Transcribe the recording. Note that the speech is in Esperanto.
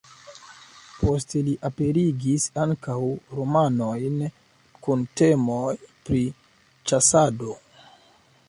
Poste li aperigis ankaŭ romanojn kun temoj pri ĉasado.